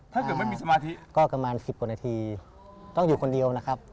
ถ้าเกิดไม่มีสมาธิก็ประมาณ๑๐กว่านาทีต้องอยู่คนเดียวนะครับ